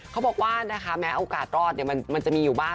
เขาบอกว่านะคะแม้โอกาสรอดมันจะมีอยู่บ้าง